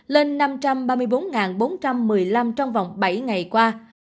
lên năm trăm ba mươi bốn bốn trăm một mươi năm trong vòng bảy ngày qua